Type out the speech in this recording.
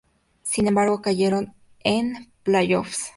Sin embargo, cayeron en playoffs.